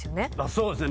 そうですね